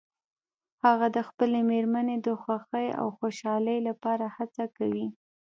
هغه د خپلې مېرمنې د خوښې او خوشحالۍ لپاره هڅه کوي